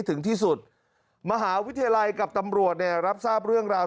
ถึงที่สุดมหาวิทยาลัยกับตำรวจเนี่ยรับทราบเรื่องราว